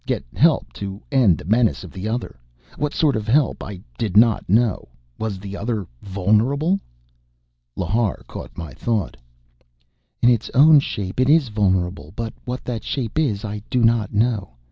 Get help to end the menace of the other...." What sort of help I did not know. Was the Other vulnerable? Lhar caught my thought. "In its own shape it is vulnerable, but what that shape is I do not know.